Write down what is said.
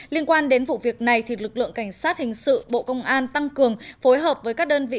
liên quan đến vụ việc này lực lượng cảnh sát hình sự bộ công an tăng cường phối hợp với các đơn vị